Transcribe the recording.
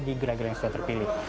di gelar gelar yang sudah terpilih